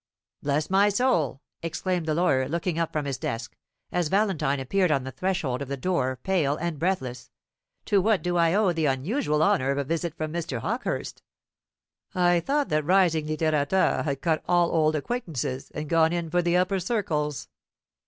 "Bless my soul!" exclaimed the lawyer, looking up from his desk, as Valentine appeared on the threshold of the door, pale and breathless; "to what do I owe the unusual honour of a visit from Mr. Hawkehurst? I thought that rising littérateur had cut all old acquaintances, and gone in for the upper circles."